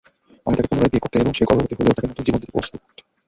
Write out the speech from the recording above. আমি তাকে পুনরায় বিয়ে করতে এবং সে গর্ভবতী হলেও তাকে নতুন জীবন দিতে প্রস্তুত।